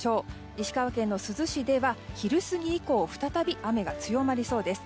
石川県の珠洲市では昼過ぎ以降再び雨が強まりそうです。